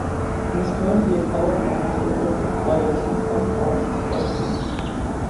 He is currently a color commentator for the Flyers on Comcast SportsNet.